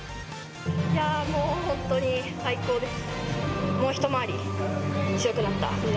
いやー、もう本当に最高です。